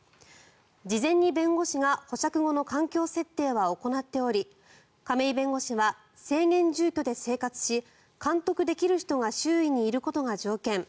事前に弁護士が保釈後の環境設定は行っており亀井弁護士は制限住居で生活し監督できる人が周囲にいることが条件。